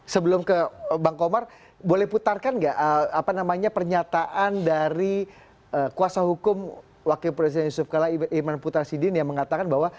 sebelum ke bang komar boleh putarkan nggak apa namanya pernyataan dari kuasa hukum wakil presiden yusuf kala iman putra sidin yang mengatakan bahwa